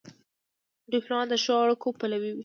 ډيپلومات د ښو اړیکو پلوی وي.